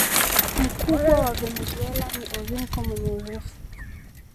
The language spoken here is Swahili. mkubwa wa Venezuela ni Orinoco wenye urefu